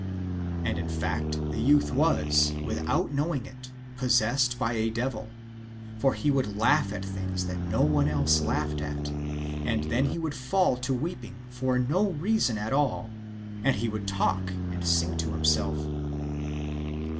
And in fact the youth was, without knowing it, possessed by a devil; for he would laugh at things that no one else laughed at, and then he would fall to weeping for no reason at all, and he would talk and sing to himself.